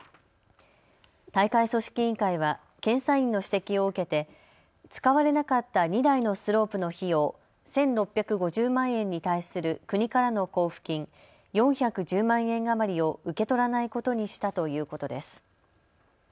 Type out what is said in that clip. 大会組織委員会は検査院の指摘を受けて使われなかった２台のスロープの費用、１６５０万円に対する国からの交付金、４１０万円余りを受け取らないことにしたということです。